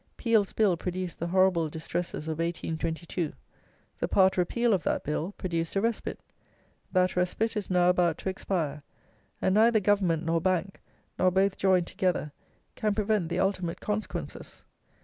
Peel's Bill produced the horrible distresses of 1822; the part repeal of that bill produced a respite, that respite is now about to expire; and neither Government nor bank, nor both joined together, can prevent the ultimate consequences.